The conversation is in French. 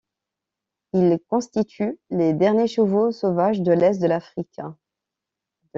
Ils constituent les derniers chevaux sauvages de l'Est de l'Afrique.